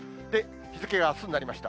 日付があすになりました。